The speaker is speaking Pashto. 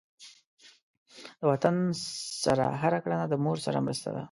د وطن سره هر کړنه د مور سره مرسته ده.